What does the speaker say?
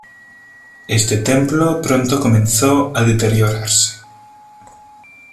Este templo pronto comenzó a deteriorarse.